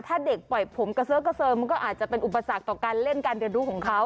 ถ้าเด็กเปิดผมดีก็อาจเป็นอุปสรรคต่อการเล่นการดูของเขา